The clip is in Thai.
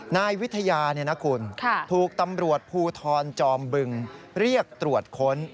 นายวิทยาคุณถูกตำรวจภูทรจอมบึงเรียกตรวจค้น